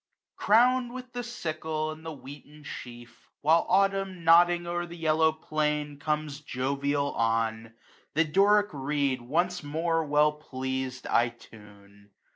C>iROW>rD with the sickle and the wheaten sheaf^ While Autumn, nodding o'er the yellow plain^ Conies jovial on ; the Doric reed once more. Well pleas'dj I tuoe.